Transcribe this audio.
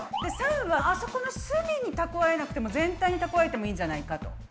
③はあそこの隅にたくわえなくても全体にたくわえてもいいんじゃないかと。